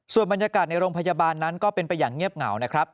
ส่วนบรรยากาศในโรงพยาบาลนั้นก็เป็นไปอย่างเงียบเหงานะครับ